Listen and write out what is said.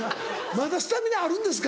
まだスタミナあるんですか？